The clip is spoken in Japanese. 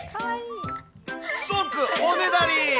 即おねだり。